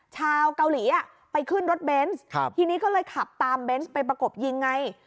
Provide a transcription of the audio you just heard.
ชาวเกาหลีไปขึ้นรถเบนส์ทีนี้ก็เลยขับตามเบนส์ไปประกบยิงไง